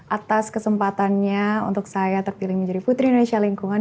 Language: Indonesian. atas kesempatannya untuk saya terpilih menjadi putri indonesia lingkungan dua ribu dua puluh empat